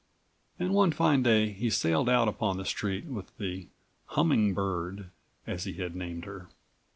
And one fine day he sailed out upon the street with the "Humming Bird," as he had named her.